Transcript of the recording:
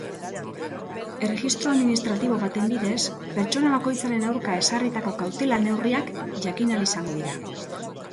Erregistro administratibo baten bidez pertsona bakoitzaren aurka ezarritako kautela-neurriak jakin ahal izango dira.